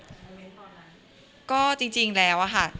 ค่ะเป็นยังไงบ้างกับอ่านคอมเมนต์ตอนนั้นก็จริงจริงแล้วอ่ะค่ะ